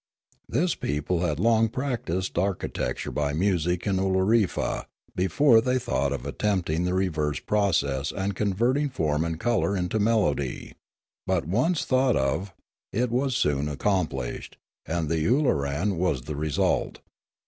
This people had long practised architecture by music in Oolorefa before they thought of attempting the reverse process and convert ing form and colour into melody; but once thought of, it was soon accomplished, and the oorolan was the result.